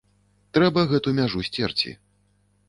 Трэба гэту мяжу сцерці.